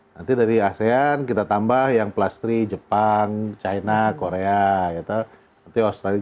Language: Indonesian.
nanti dari asean kita tambah yang kemudian jepang china korea australia